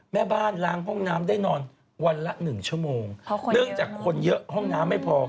แม่บ้านล้างห้องน้ำไปช่วยหมดเลยใช่ไหม